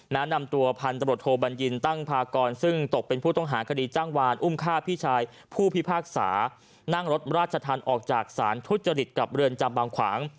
นำตัวพันธบทโทบัญญินตั้งพากรซึ่งตกเป็นผู้ต้องหาคดีจ้างวานอุ้มฆ่าพี่ชายผู้พิพากษานั่งรถราชธรรมออกจากศาลทุจริตกับเรือนจำบางขวาง